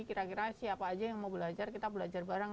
kira kira siapa aja yang mau belajar kita belajar bareng